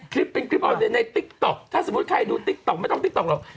คลิปเป็นคลิปเอาในติ๊กต๊อกถ้าสมมุติใครดูติ๊กต๊อกไม่ต้องติ๊กต๊อกหรอก